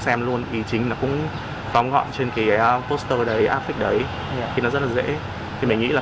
xem luôn y chính là cũng phóng gọn trên cái poster đấy affix đấy thì nó rất là dễ thì mình nghĩ là